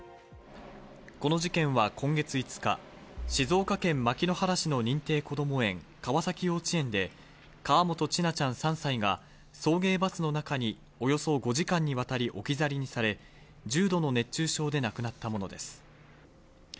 この事件は今月５日、静岡県牧之原市の認定こども園・川崎幼稚園で、河本千奈ちゃん、３歳が送迎バスの中におよそ５時間にわたり置き去りにされ、重度の熱中症で亡くなったものです。